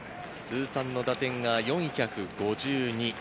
通算打点が４５２。